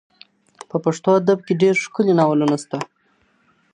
په پښتو ادب کي ډېر ښکلي ناولونه سته.